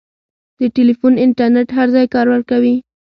د ټیلیفون انټرنېټ هر ځای کار ورکوي.